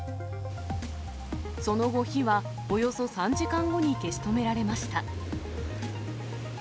その後、火はおよそ３時間後に消し止められました。